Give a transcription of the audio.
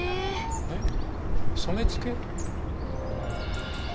えっ染付？